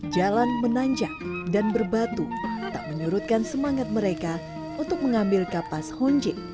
jalan menanjak dan berbatu tak menyurutkan semangat mereka untuk mengambil kapas honjet